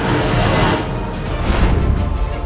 jangan lupa untuk berlangganan